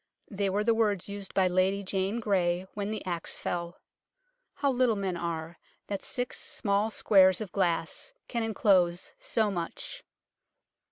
They were the words used by Lady Jane Grey when the axe fell. How little men are, that six small squares of glass can enclose so much